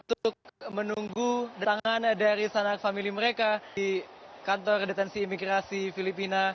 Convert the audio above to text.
untuk menunggu datangannya dari sana ke famili mereka di kantor detensi imigrasi filipina